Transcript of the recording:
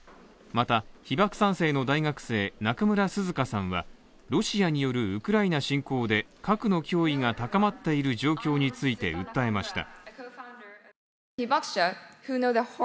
また、被爆三世の大学生中村涼香さんは、ロシアによるウクライナ侵攻で核の脅威が高まっている状況について訴えました。